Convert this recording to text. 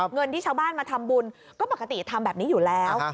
เงินที่ชาวบ้านมาทำบุญก็ปกติทำแบบนี้อยู่แล้ว